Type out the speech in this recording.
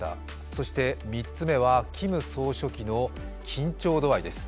そして３つ目はキム総書記の緊張度合です。